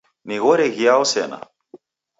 Nighore ghiao sena